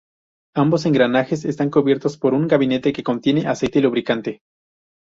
Ambos engranajes están cubiertos por un gabinete que contiene aceite lubricante.